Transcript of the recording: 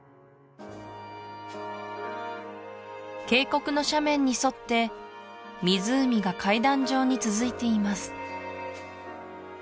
渓谷の斜面に沿って湖が階段状に続いています